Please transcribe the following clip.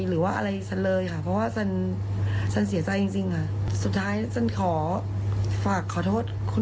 หรือว่าอะไรฉันเลยค่ะเพราะว่าฉันเสียใจจริงค่ะสุดท้ายฉันขอฝากขอโทษคุณ